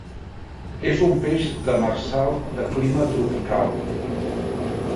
És un peix demersal de clima tropical.